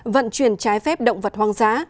vận chuyển trái phép động vật hoang dã